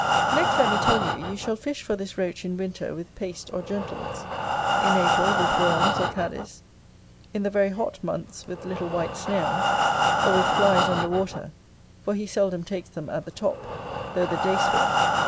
Next, let me tell you, you shall fish for this Roach in Winter, with paste or gentles; in April, with worms or cadis; in the very hot months, with little white snails; or with flies under water, for he seldom takes them at the top, though the Dace will.